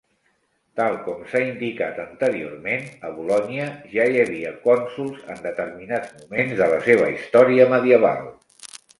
Tal com s'ha indicat anteriorment, a Bolonya ja hi havia cònsols en determinats moments de la seva història medieval.